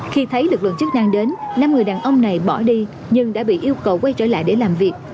khi thấy lực lượng chức năng đến năm người đàn ông này bỏ đi nhưng đã bị yêu cầu quay trở lại để làm việc